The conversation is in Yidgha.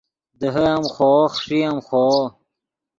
دیہے ام خوو خݰئے ام خوو